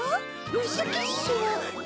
ムッシュ・キッシュは？